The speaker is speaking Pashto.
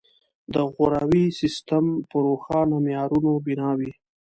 د غوراوي سیستم په روښانو معیارونو بنا وي.